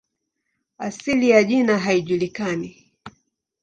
Asili ya jina haijulikani.